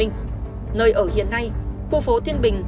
nơi ở hiện nay khu phố thiên bình